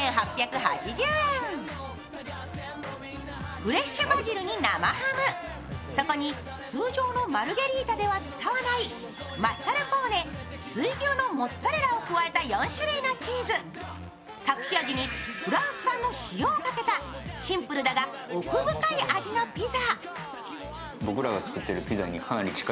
フレッシュバジルに生ハム、そこに通常のマルゲリータでは使わないマスカルポーネ、水牛のモッツァレラを加えた４種類のチーズ隠し味にフランス産の塩をかけた、シンプルだが奥深い味のピザ。